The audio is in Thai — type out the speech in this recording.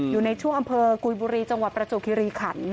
อยู่ในช่วงอำเภอกุยบุรีจังหวัดประจวบคิริขัน